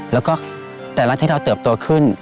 แล้วก็แต่ละที่เราเติบโตขึ้น